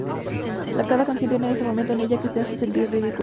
Cada canción tiene ese momento en ella que me hace sentir ridículo.